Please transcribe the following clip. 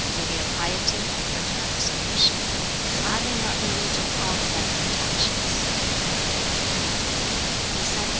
Filial piety and fraternal submission! are they not the root of all benevolent actions?'